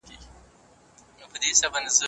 ذهني روغتیا به ښه شي.